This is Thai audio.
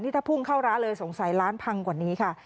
ถ้าพุ่งเข้าร้านเลยสงสัยร้านพังกว่านี้ค่ะ